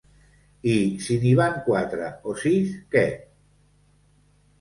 I si n’hi van quatre o sis, què?